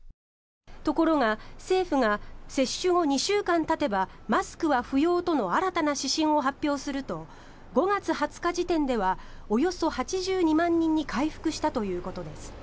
ところが、政府が接種後２週間たてばマスクは不要との新たな指針を発表すると５月２０日時点ではおよそ８２万人に回復したということです。